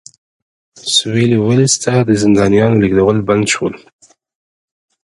سوېلي ویلز ته د زندانیانو لېږدول بند شول.